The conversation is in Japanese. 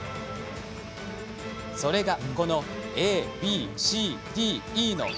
それがこのＡＢＣＤＥの５タイプ。